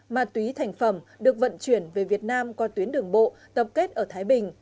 ma túy thành phẩm được vận chuyển về việt nam qua tuyến đường bộ tập kết ở thái bình